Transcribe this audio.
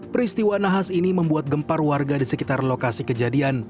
peristiwa nahas ini membuat gempar warga di sekitar lokasi kejadian